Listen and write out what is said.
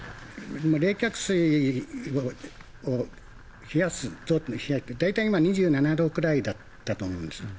冷却水を冷やすのは大体、今２７度くらいだったと思うんです。